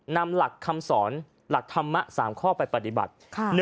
นำหลักคำสอนหลักธรรมศาปบัติ